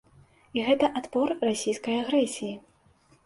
І гэта адпор расійскай агрэсіі.